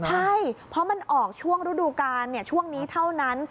ใช่เพราะมันออกช่วงฤดูกาลช่วงนี้เท่านั้น